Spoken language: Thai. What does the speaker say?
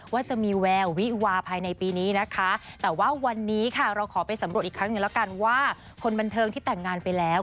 ว่าจะมีแวววิวาภายในปีนี้นะคะแต่ว่าวันนี้ค่ะเราขอไปสำรวจอีกครั้งหนึ่งแล้วกันว่าคนบันเทิงที่แต่งงานไปแล้ว